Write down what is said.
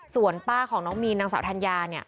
ส่วนป้าของน้องมีนนางสาวธัญญาเนี่ย